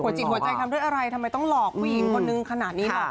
จิตหัวใจทำด้วยอะไรทำไมต้องหลอกผู้หญิงคนนึงขนาดนี้หรอก